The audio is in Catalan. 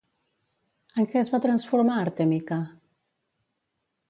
En què es va transformar Artemica?